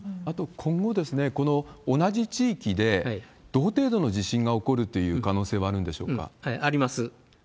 あと、今後、この同じ地域で同程度の地震が起こるという可能性はあるんでしょあります。